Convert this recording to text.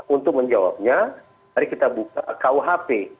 untuk menjawabnya mari kita buka kuhp